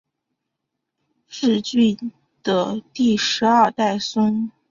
挚峻的第十二代孙。